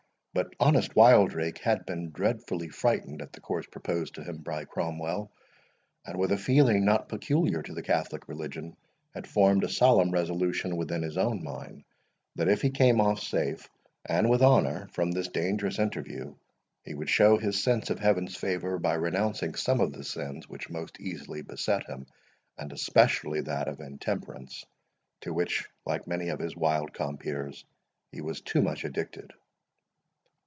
But honest Wildrake had been dreadfully frightened at the course proposed to him by Cromwell, and, with a feeling not peculiar to the Catholic religion, had formed a solemn resolution within his own mind, that, if he came off safe and with honour from this dangerous interview, he would show his sense of Heaven's favour, by renouncing some of the sins which most easily beset him, and especially that of intemperance, to which, like many of his wild compeers, he was too much addicted.